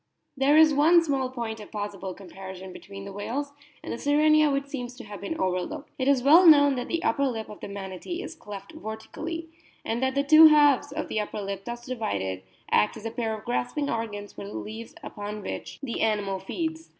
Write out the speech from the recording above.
There is one small point of possible comparison between the whales and the Sirenia which seems to have been overlooked. It is well known that the upper lip of the Manatee is cleft vertically, and that the two halves of the upper lip thus divided act as a pair of grasping organs for the leaves on which the animal feeds.